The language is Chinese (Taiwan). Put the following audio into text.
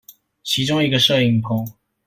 其中一個攝影棚